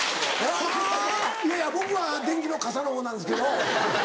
はぁいやいや僕は電気のカサの方なんですけど。